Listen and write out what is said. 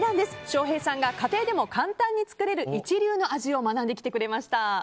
翔平さんが家庭でも簡単に作れる一流の味を学んできてくれました。